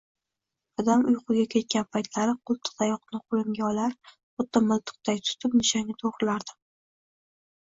Dadam uyquga ketgan paytlari, qoʻltiqtayoqni qoʻlimga olar, xuddi miltiqday tutib, nishonga toʻgʻrilardim.